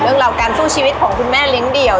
เรื่องราวการสู้ชีวิตของคุณแม่เลี้ยงเดี่ยว